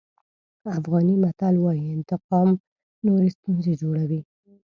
افغاني متل وایي انتقام نورې ستونزې جوړوي.